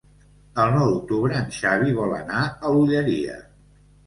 El nou d'octubre en Xavi vol anar a l'Olleria.